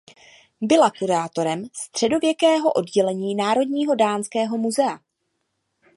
Byla kurátorem středověkého oddělení Národního dánského muzea.